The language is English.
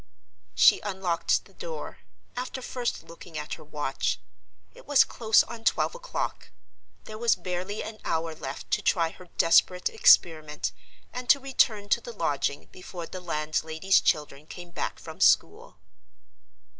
She unlocked the door, after first looking at her watch. It was close on twelve o'clock. There was barely an hour left to try her desperate experiment, and to return to the lodging before the landlady's children came back from school.